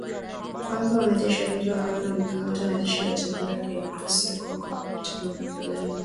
Kwamba wanajeshi wawili wa Rwanda wamekamatwa na jeshi la Jamhuri ya kidemokrasia ya Kongo katika makabiliano.